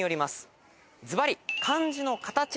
ずばり。